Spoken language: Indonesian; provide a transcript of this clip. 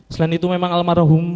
selain itu memang almarhum